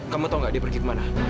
kamu tau gak dia pergi kemana